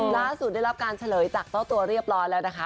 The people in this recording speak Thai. ได้รับการเฉลยจากเจ้าตัวเรียบร้อยแล้วนะคะ